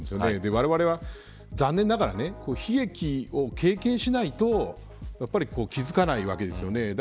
われわれは残念ながら悲劇を経験しないと気づかないわけです。